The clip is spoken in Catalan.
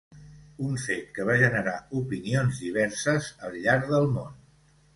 Un fet que va generar opinions diverses al llarg del món.